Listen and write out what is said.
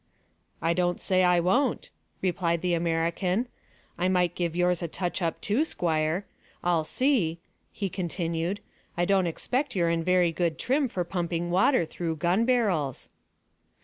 "I don't say I won't," replied the American. "I might give yours a touch up too, squire. I'll see," he continued. "I don't expect you're in very good trim for pumping water through gun barrels."